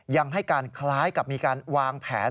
ยังให้การคล้ายกับมีการวางแผน